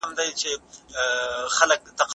کمپيوټر لايکونه شمېرې.